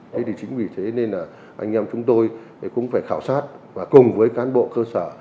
thế thì chính vì thế nên là anh em chúng tôi cũng phải khảo sát và cùng với cán bộ cơ sở